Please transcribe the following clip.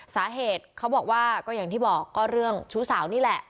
สาเหตุเขาบอกว่าก็อย่างที่บอกก็เรื่องชู้สาวนี่แหละ